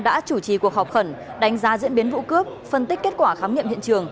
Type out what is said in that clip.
đã chủ trì cuộc họp khẩn đánh giá diễn biến vụ cướp phân tích kết quả khám nghiệm hiện trường